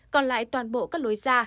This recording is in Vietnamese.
còn lại toàn bộ các lối ra